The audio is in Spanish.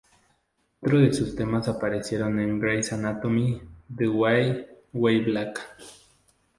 Otros de sus temas aparecieron en Grey's Anatomy y The Way, Way Back.